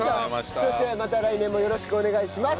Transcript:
そしてまた来年もよろしくお願いします！